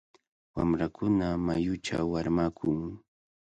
Wamrakuna mayuchaw armakun.